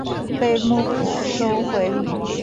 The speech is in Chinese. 被幕府收回领地。